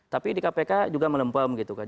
tapi di kpk juga melempem gitu kan